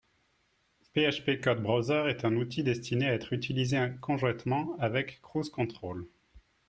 PHP_CodeBrowser est un outil destiné, à être utilisé en conjointement avec CruiseControl